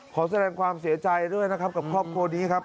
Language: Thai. ขอแสดงความเสียใจด้วยนะครับกับครอบครัวนี้ครับ